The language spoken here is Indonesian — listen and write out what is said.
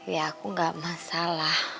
ya aku gak masalah